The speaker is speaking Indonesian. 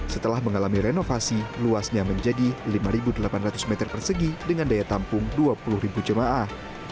setelah mengalami renovasi luasnya menjadi lima delapan ratus meter persegi dengan daya tampung dua puluh jemaah